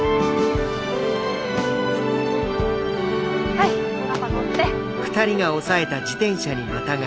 はいパパ乗って。